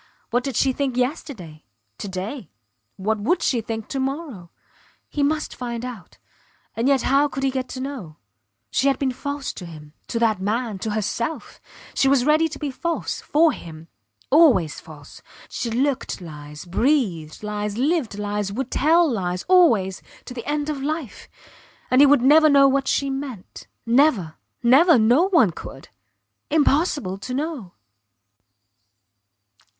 What did she think yesterday to day; what would she think to morrow? He must find out. ... And yet how could he get to know? She had been false to him, to that man, to herself; she was ready to be false for him. Always false. She looked lies, breathed lies, lived lies would tell lies always to the end of life! And he would never know what she meant. Never! Never! No one could. Impossible to know.